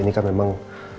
ini kan memang